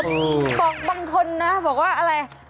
บอกบางคนนะบอกว่าอะไร